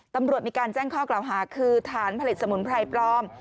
ตำรวจมีการแจ้งข้อกล่าวหาคือฐานผลิตสมุนไพรปลอม